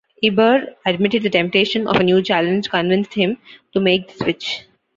Ibehre admitted the temptation of a new challenge convinced him to make the switch.